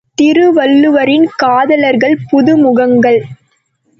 திருவள்ளுவரின் காதலர்கள் புதுமுகங்கள்.